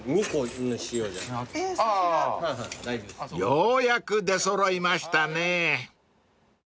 ［ようやく出揃いましたね］